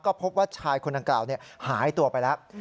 ก็พบว่าชายคนดังกล่าวหายตัวไปแล้ว